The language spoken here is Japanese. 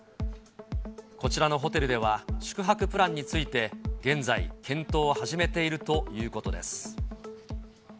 こちらのホテルでは、宿泊プランについて、現在、検討を始めているということです。